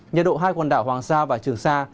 nhiệt độ hai quần đảo hoàng sa và trường sa